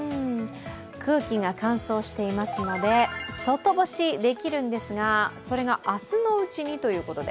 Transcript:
空気が乾燥していますので、外干しできるんですが、それが明日のうちにということで。